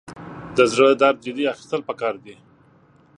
د زړه درد جدي اخیستل پکار دي.